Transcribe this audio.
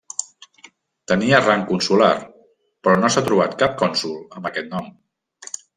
Tenia rang consular però no s'ha trobat cap cònsol amb aquest nom.